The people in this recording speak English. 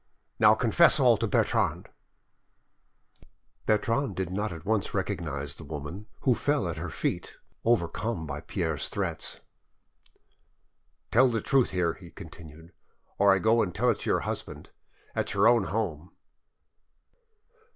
Now, confess all to Bertrande!" Bertrande did not at once recognise the woman, who fell at her feet, overcome by Pierre's threats. "Tell the truth here," he continued, "or I go and tell it to your husband, at your own home!"